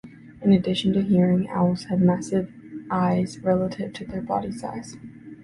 In addition to hearing, owls have massive eyes relative to their body size.